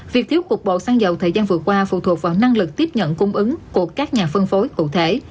việc thiếu cục bộ xăng dầu thời gian vừa qua phụ thuộc vào năng lực tiếp nhận cung ứng của các nhà phân phối cụ thể